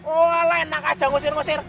wah enak aja ngusir ngusir